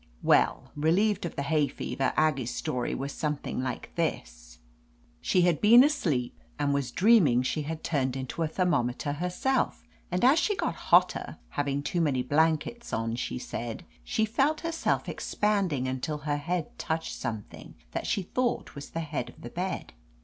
Well, relieved of the hay fever, Aggie's story was something like this : She had been asleep, and was dreaming' she had turned into a thermometer herself, and as she> got hotter, having too many blankets on, she said she felt herself ex 79 ifi «T»1 THE AMAZING ADVENTURES panding until her head touched something that she thought was the head of the bed.